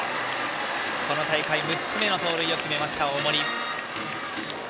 この大会６つ目の盗塁を決めました、大森。